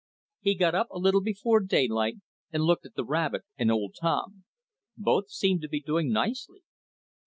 He got up a little before daylight and looked at the rabbit and old Tom. Both seemed to be doing nicely.